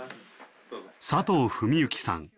佐藤史幸さん。